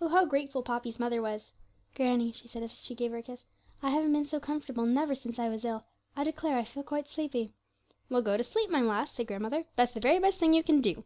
Oh, how grateful Poppy's mother was! 'Granny,' she said, as she gave her a kiss, 'I haven't been so comfortable never since I was ill; I declare I feel quite sleepy.' 'Well, go to sleep, my lass,' said grandmother; 'that's the very best thing you can do.'